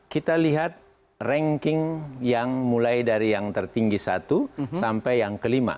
kita lihat ranking yang mulai dari yang tertinggi satu sampai yang kelima